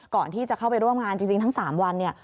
ก่อนที่จะเข้าไปร่วมงานจริงทั้ง๓วันเนี่ย